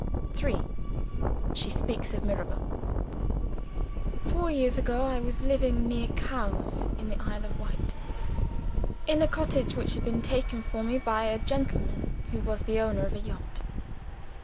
3. She Speaks of Mirabel. "'Four years ago, I was living near Cowes, in the Isle of Wight in a cottage which had been taken for me by a gentleman who was the owner of a yacht.